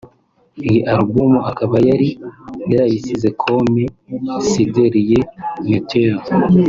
Iyi Alubum akaba yari yarayise Comme si de rien n’était